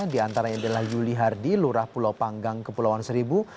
diantara yang adalah yuli hardy lurah pulau panggang kepulauan seribu